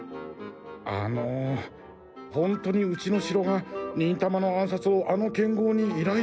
あのホントにうちの城が忍たまの暗殺をあの剣豪に依頼したのでしょうか。